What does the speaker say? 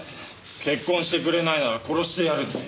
「結婚してくれないなら殺してやる」って。